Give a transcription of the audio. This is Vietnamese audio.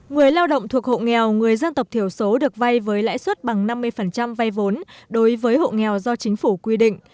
người lao động thuộc hộ nghèo người dân tộc thiểu số được vay với lãi suất bằng năm mươi vay vốn đối với hộ nghèo do chính phủ quy định